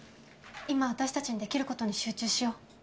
今私たちに出来る事に集中しよう。